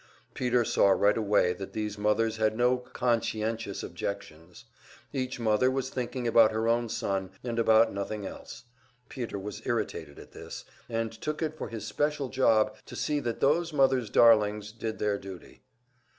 Peter saw right away that these mothers had no "conscientious objections." Each mother was thinking about her own son and about nothing else. Peter was irritated at this, and took it for his special job to see that those mother's darlings did their duty.